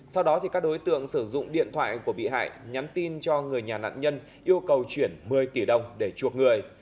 sau đó các đối tượng sử dụng điện thoại của bị hại nhắn tin cho người nhà nạn nhân yêu cầu chuyển một mươi tỷ đồng để chuộc người